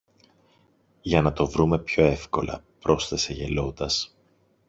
για να το βρούμε πιο εύκολα, πρόσθεσε γελώντας.